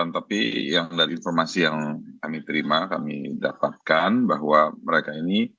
tapi yang dari informasi yang kami terima kami dapatkan bahwa mereka ini